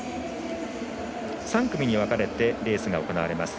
３組に分かれてレースが行われます。